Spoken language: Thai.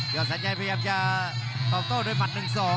ยอสัญญาพยายามจะตอบโต้ด้วยปัด๑๒